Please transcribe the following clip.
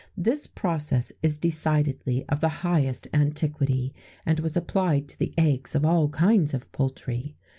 This process is decidedly of the highest antiquity, and was applied to the eggs of all kinds of poultry.